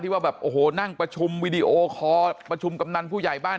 ว่าแบบโอ้โหนั่งประชุมวีดีโอคอร์ประชุมกำนันผู้ใหญ่บ้าน